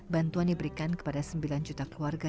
bantuan diberikan kepada sembilan juta keluarga